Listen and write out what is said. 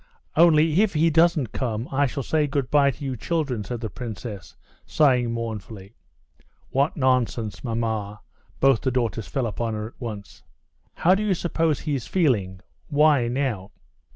"Only if he doesn't come, I shall say good bye to you children," said the princess, sighing mournfully. "What nonsense, mamma!" both the daughters fell upon her at once. "How do you suppose he is feeling? Why, now...."